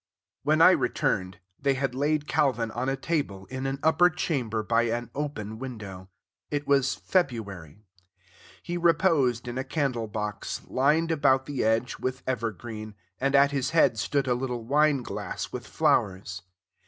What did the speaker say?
When I returned, they had laid Calvin on a table in an upper chamber by an open window. It was February. He reposed in a candle box, lined about the edge with evergreen, and at his head stood a little wine glass with flowers.